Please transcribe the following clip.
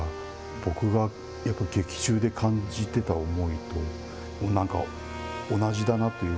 僕が劇中で感じてた思いとなんか同じだなという。